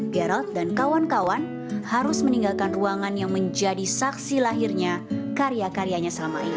gerald dan kawan kawan harus meninggalkan ruangan yang menjadi saksi lahirnya karya karyanya selama ini